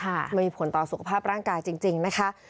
มันมีผลต่อสุขภาพร่างกายจริงนะคะ